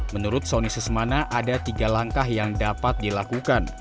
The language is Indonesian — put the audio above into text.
menurut sony sesemana ada tiga langkah yang dapat dilakukan